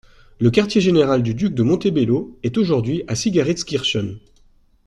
Le quartier-général du duc de Montebello est aujourd'hui à Sigarhiztzkirchen.